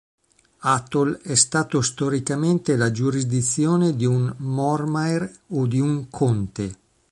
Atholl è stato storicamente la giurisdizione di un "mormaer" o di un "conte".